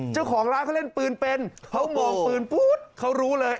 เจ้าของร้านเขาเล่นปืนเป็นเขามองปืนปุ๊ดเขารู้เลย